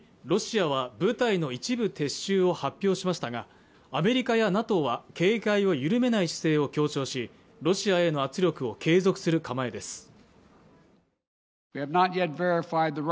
ロシアは部隊の一部撤収を発表しましたがアメリカやＮＡＴＯは警戒を緩めない姿勢を強調しロシアへの圧力を継続する構えです